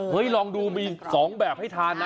ลองดูมี๒แบบให้ทานนะ